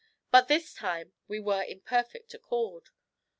But this time we were in perfect accord.